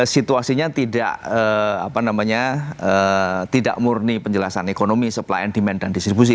situasinya tidak murni penjelasan ekonomi supply and demand dan distribusi